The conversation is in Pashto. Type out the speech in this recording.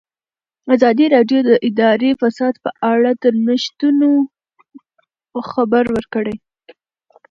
ازادي راډیو د اداري فساد په اړه د نوښتونو خبر ورکړی.